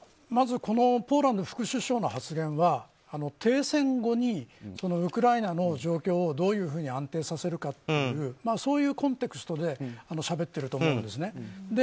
まずポーランド副首相の発言は停戦後にウクライナの状況をどういうふうに安定させるかというそういうテクストで話していると思うんです。